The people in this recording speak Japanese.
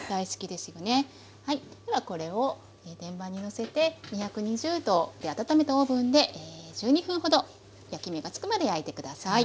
ではこれを天板にのせて２２０℃で温めたオーブンで１２分ほど焼き目がつくまで焼いて下さい。